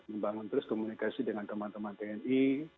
membangun terus komunikasi dengan teman teman tni